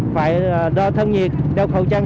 phải đo thân nhiệt đeo khẩu trang